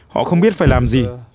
họ không biết phải làm gì